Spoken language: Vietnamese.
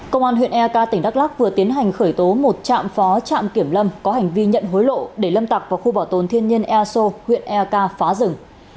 công an huyện ek tỉnh đắk lắc vừa tiến hành khởi tố một trạm phó trạm kiểm lâm có hành vi nhận hối lộ để lâm tặc vào khu bảo tồn thiên nhiên eso huyện ek phá rừng